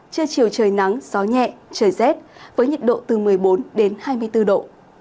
trưa chiều trời nắng gió nhẹ trời rét với nhiệt độ từ một mươi bốn đến hai mươi bốn độ